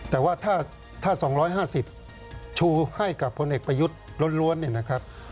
แต่ว่าถ้า๒๕๐ชูให้กับพลเอกประยุทธ์ล้วนเนี่ยนะครับ